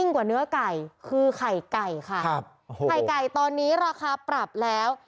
คือไข่ไก่ค่ะไข่ไก่ตอนนี้ราคาปรับแล้ว